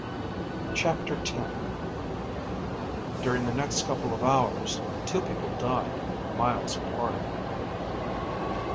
CHAPTER X During the next couple of hours, two people died, miles apart.